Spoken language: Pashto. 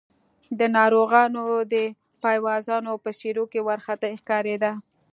د ناروغانو د پيوازانو په څېرو کې وارخطايي ښکارېده.